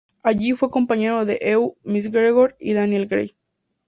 Allí fue compañero de Ewan McGregor y Daniel Craig.